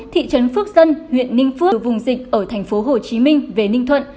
thị trấn phước dân huyện ninh phước vùng dịch ở thành phố hồ chí minh về ninh thuận